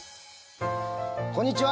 こんにちは。